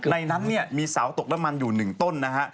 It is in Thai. ในนั้นเนี่ยมีสาวตกรมันอยู่หนึ่งต้นนะฮะ